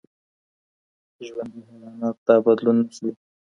ژوندي حیوانات دا بدلون نه ښيي.